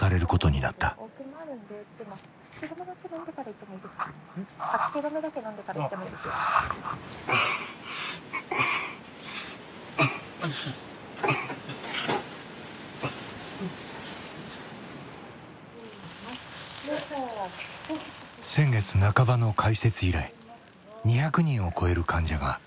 先月半ばの開設以来２００人を超える患者がここで命をつないだ。